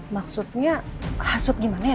maksudnya hasut gimana ya